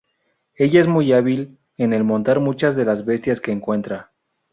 Ella es muy hábil en el montar muchas de las bestias que encuentra.